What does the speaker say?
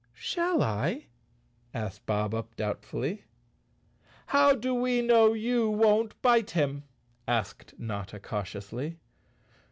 "Shall I?" asked Bob Up doubtfully. "How do we know you won't bite him?" asked Notta cautiously.